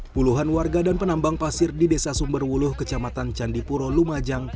puluhan warga dan penambang pasir di desa sumberwuluh kecamatan candipuro lumajang